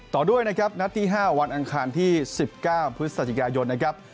ต่อด้วยนะครับนัดที่๕วันอังคารที่๑๙พฤศจิกายนนะครับ